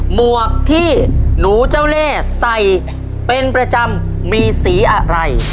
หวกที่หนูเจ้าเล่ใส่เป็นประจำมีสีอะไร